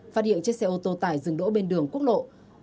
phát hiện chiếc xe ô tô tải dừng đỗ bên đường quốc lộ